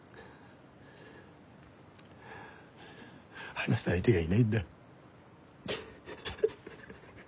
話す相手がいないんだ。